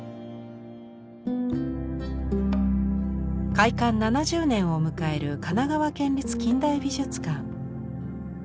開館７０年を迎える神奈川県立近代美術館。